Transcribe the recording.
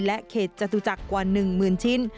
และเขตจตุจักรกว่า๑หมื่นชิ้น